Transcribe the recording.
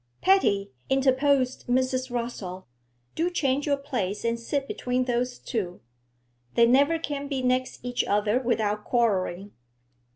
'Patty,' interposed Mrs. Rossall, 'do change your place and sit between those two; they never can be next each other without quarrelling.'